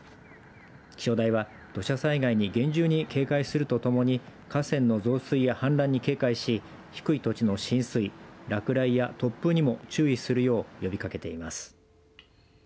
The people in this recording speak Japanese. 気象台は、土砂災害に厳重に警戒するとともに河川の増水や氾濫に警戒し低い土地の浸水、落雷や突風にも注意するよう呼びかけています。